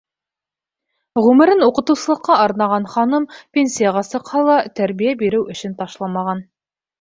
Ғүмерен уҡытыусылыҡҡа арнаған ханым, пенсияға сыҡһа ла, тәрбиә биреү эшен ташламаған.